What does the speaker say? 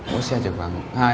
mỗi xe chạy khoảng